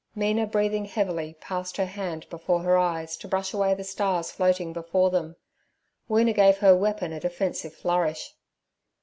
Mina, breathing heavily, passed her hand before her eyes to brush away the stars floating before them. Woona gave her weapon a defensive flourish.